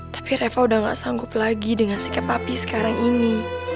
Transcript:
tapi reva udah gak sanggup lagi dengan si kepapi sekarang ini